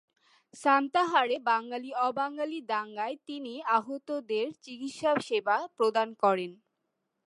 সান্তাহারে বাঙালি-অবাঙালি দাঙ্গায় তিনি আহতদের চিকিৎসাসেবা প্রদান করেন।